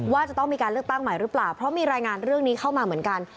ว่าจะต้องมีการเลือกตั้งใหม่หรือเปล่าเพราะมีรายงานเรื่องนี้เข้ามาเหมือนกัน